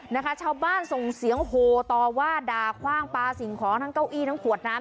นะคะชาวบ้านส่งเสียงโหต่อว่าด่าคว่างปลาสิ่งของทั้งเก้าอี้ทั้งขวดน้ำ